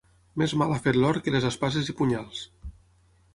Més mal ha fet l'or que les espases i punyals.